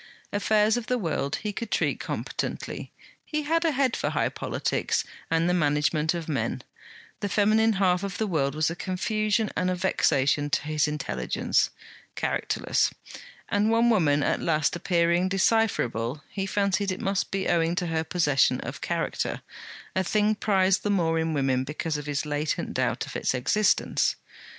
Affairs of the world he could treat competently; he had a head for high politics and the management of men; the feminine half of the world was a confusion and a vexation to his intelligence, characterless; and one woman at last appearing decipherable, he fancied it must be owing to her possession of character, a thing prized the more in women because of his latent doubt of its existence.